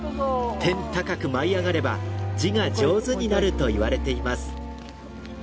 天高く舞い上がれば字が上手になるといわれています。